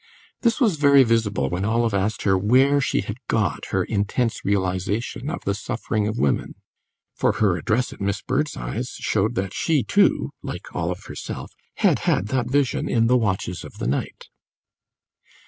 This was very visible when Olive asked her where she had got her "intense realisation" of the suffering of women; for her address at Miss Birdseye's showed that she, too (like Olive herself), had had that vision in the watches of the night.